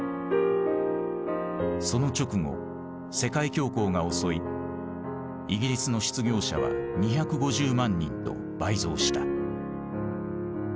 その直後世界恐慌が襲いイギリスの失業者は２５０万人と倍増した。